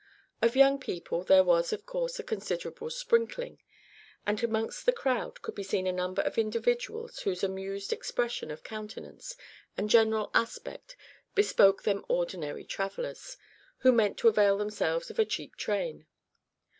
Of young people there was of course a considerable sprinkling, and amongst the crowd could be seen a number of individuals whose amused expression of countenance and general aspect bespoke them ordinary travellers, who meant to avail themselves of a "cheap train."